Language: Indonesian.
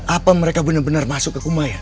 apa mereka benar benar masuk ke humayan